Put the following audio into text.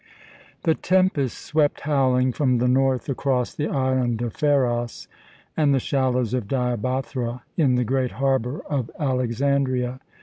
The tempest swept howling from the north across the island of Pharos, and the shallows of Diabathra in the great harbour of Alexandria.